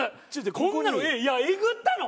こんなのえっえぐったの？